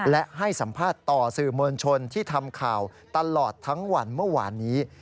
และให้สัมภาษณ์ต่อสื่อมวลชนที่ทำข่าวตลอดทั้งวันเมื่อวานนี้